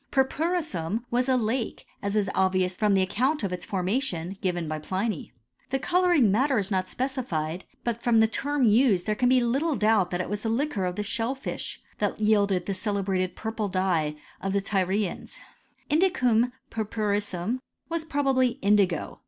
Purpurissum was a lake, as is obyious fix>m the account of its formation given by Pliny. The colour * ing matter is not specified, but from the term used there can be little doubt that it was the liquor frcmi the shellfish that yielded the celebrated purple dye of the Tynans. Indicum purpurissum was probably indigo.